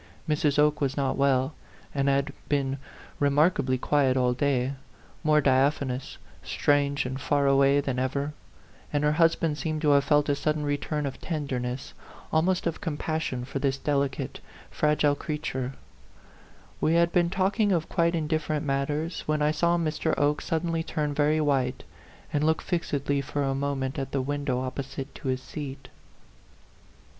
Mrs. Oke was not well, and had been remarkably quiet all day, more diaphanous, strange, and far away than ever ; and her husband seemed to have felt a sudden return of tenderness, almost of compassion, for this delicate, fragile creature. 102 A PHANTOM LOVER. We had been talking of quite indifferent matters, when I saw Mr. Oke suddenly turn very white, and look fixedly for a moment at the window opposite to his seat.